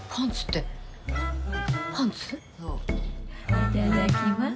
いただきます。